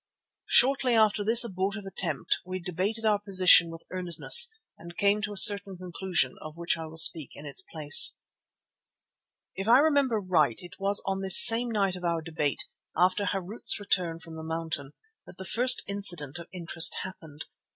Shortly after this abortive attempt we debated our position with earnestness and came to a certain conclusion, of which I will speak in its place. If I remember right it was on this same night of our debate, after Harût's return from the mountain, that the first incident of interest happened.